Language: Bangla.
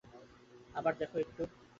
আবার দেখ একটু।